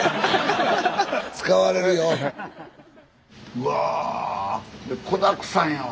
うわ。